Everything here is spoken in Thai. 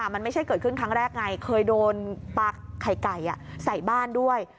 มันไม่ใช่เกิดขึ้นครั้งแรกไงเคยโดนปลาไข่ไก่ใส่บ้านด้วย